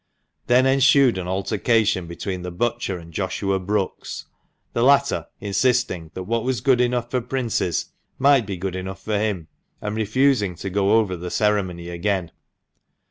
Then ensued an altercation between the butcher and Joshua Brookes, the latter insisting that what was good enough for princes might be good enough for him, and refusing to go over the ceremony again.